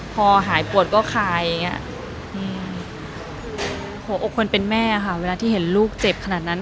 พอหายปวดก็คายอย่างนี้หัวอกคนเป็นแม่ค่ะเวลาที่เห็นลูกเจ็บขนาดนั้น